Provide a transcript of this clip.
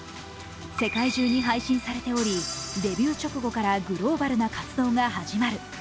世界中に配信されており、デビュー直後からグローバルが活動が始まる。